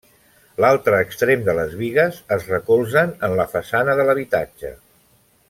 L'altre extrem de les bigues es recolzen en la façana de l'habitatge.